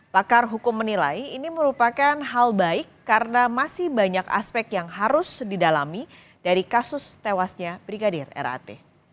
pakar hukum menilai ini merupakan hal baik karena masih banyak aspek yang harus didalami dari kasus tewasnya brigadir rat